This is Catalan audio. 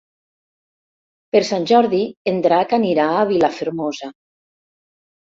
Per Sant Jordi en Drac anirà a Vilafermosa.